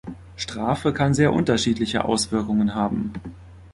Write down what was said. Strafe kann sehr unterschiedliche Auswirkungen haben.